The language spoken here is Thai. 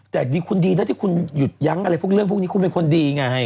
แต่ดีคุณดีนะที่คุณหยุดยั้งอะไรพวกเรื่องพวกนี้คุณเป็นคนดีไง